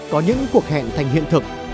có những cuộc hẹn thành hiện thực